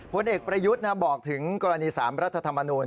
ผลเอกประยุทธ์บอกถึงกรณี๓รัฐธรรมนูล